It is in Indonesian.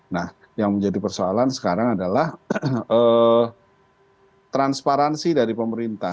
nah yang menjadi persoalan sekarang adalah transparansi dari pemerintah